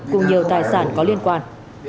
cùng nhiều tài sản có liên quan